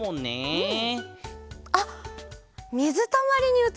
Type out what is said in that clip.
うん。